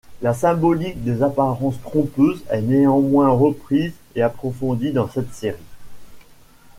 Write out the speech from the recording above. La symbolique des apparences trompeuses est néanmoins reprise et approfondie dans cette série.